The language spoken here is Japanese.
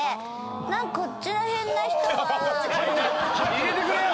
入れてくれよ